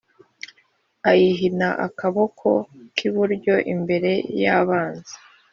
ayihina akaboko k’iburyo imbere y’abanzi;